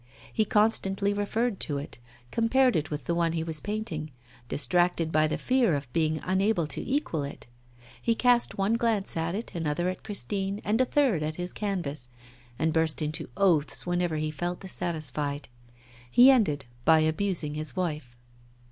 He constantly referred to it, compared it with the one he was painting, distracted by the fear of being unable to equal it. He cast one glance at it, another at Christine, and a third at his canvas, and burst into oaths whenever he felt dissatisfied. He ended by abusing his wife.